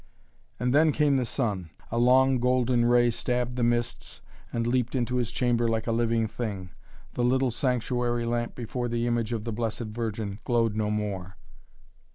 And then came the sun. A long golden ray stabbed the mists and leaped into his chamber like a living thing. The little sanctuary lamp before the image of the Blessed Virgin glowed no more.